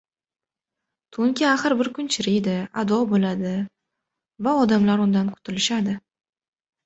• To‘nka axir bir kun chiriydi, ado bo‘ladi va odamlar undan qutilishadi.